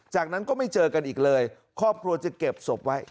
จากนั้นก็ไม่เจอกันอีกเลยครอบครัวจะเก็บศพไว้